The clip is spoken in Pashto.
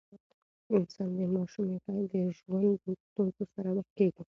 انسان له ماشومۍ پیل د ژوند ستونزو سره مخ کیږي.